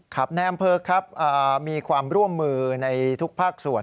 ครับแน่มเพิร์กครับมีความร่วมมือในทุกภาคส่วน